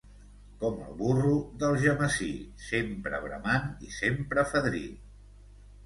Com el burro d'Algemesí, sempre bramant i sempre fadrí.